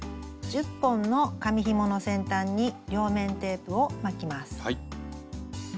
１０本の紙ひもの先端に両面テープを巻きます。